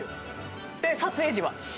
撮影時は。